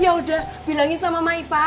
yaudah bilangin sama mak ipah